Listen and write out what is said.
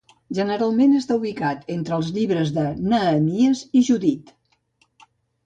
Generalment està ubicat entre els llibres de Nehemies i Judit.